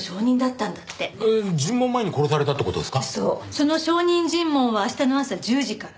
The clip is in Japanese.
その証人尋問は明日の朝１０時から。